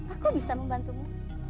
aku bisa membantumu